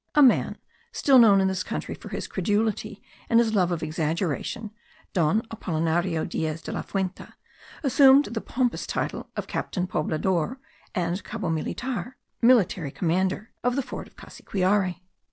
A man, still known in the country for his credulity and his love of exaggeration, Don Apollinario Diez de la Fuente, assumed the pompous title of capitan poblador, and cabo militar (military commander) of the fort of Cassiquiare.